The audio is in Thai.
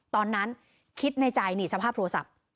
ตอนนั้นคิดในใจนี่สภาพโทรศัพท์